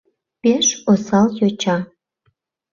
Пеш осал йоча.